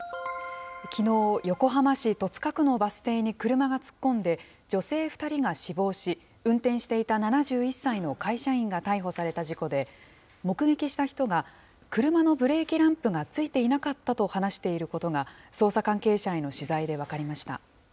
きのう、横浜市戸塚区のバス停に車が突っ込んで、女性２人が死亡し、運転していた７１歳の会社員が逮捕された事故で、目撃した人が、車のブレーキランプがついていなかったと話していることが、捜査関係者への取材で分かりました。